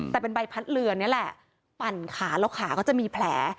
แต่เป็นใบพัดเรือนี่แหละปั่นขาแล้วขาก็จะมีแผล